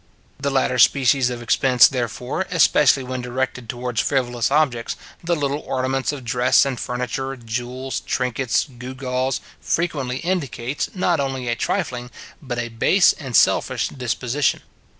The latter species of expense, therefore, especially when directed towards frivolous objects, the little ornaments of dress and furniture, jewels, trinkets, gew gaws, frequently indicates, not only a trifling, but a base and selfish disposition.